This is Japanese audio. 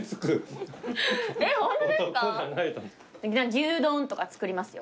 牛丼とか作りますよ。